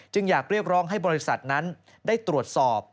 อยากเรียกร้องให้บริษัทนั้นได้ตรวจสอบ